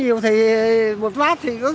chia nhau đi quan sát bậc biển